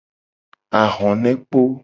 Ahonekpo.